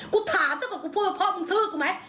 กูถามเถอะก่อนกูพูดว่าพ่อมึงซื้อกูไหม